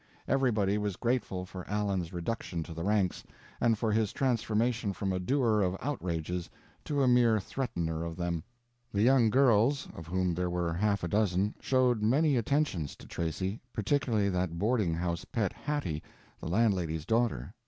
Everybody was grateful for Allen's reduction to the ranks, and for his transformation from a doer of outrages to a mere threatener of them. The young girls, of whom there were half a dozen, showed many attentions to Tracy, particularly that boarding house pet Hattie, the landlady's daughter.